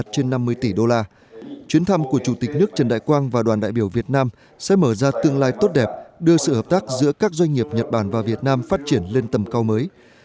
chuyến thăm của chủ tịch nước trần đại quang và đoàn đại biểu việt nam sẽ mở ra tương lai tốt đẹp đưa sự hợp tác giữa các doanh nghiệp nhật bản và việt nam phát triển lên tầm cao mới